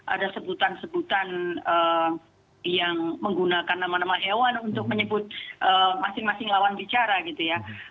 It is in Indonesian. ada sebutan sebutan yang menggunakan nama nama hewan untuk menyebut masing masing lawan bicara gitu ya